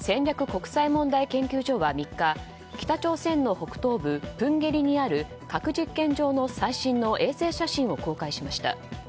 国際問題研究所は３日、北朝鮮の北東部プンゲリにある核実験場の最新の衛星写真を公開しました。